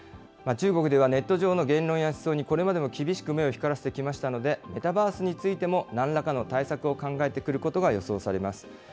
中国ではネット上の言論や思想にこれまでも厳しく目を光らせてきましたので、えメタバースについてもなんらかの対策を考えてくることが予想されます。